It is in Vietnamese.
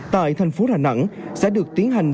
tại thành phố hà nẵng sẽ được tiến hành